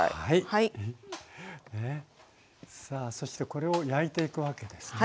さあそしてこれを焼いていくわけですね。